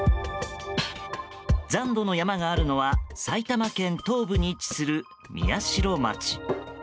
残土の山があるのは埼玉県東部に位置する宮代町。